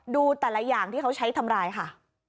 ดูแต่ละอย่างที่เขาใช้ทำร้ายค่ะ